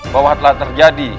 bahwa telah terjadi